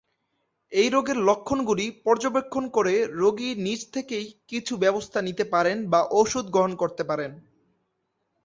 এই রোগের লক্ষণগুলি পর্যবেক্ষণ করে রোগী নিজে থেকেই কিছু ব্যবস্থা নিতে পারেন বা ঔষধ গ্রহণ করতে পারেন।